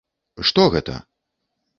Што гэта?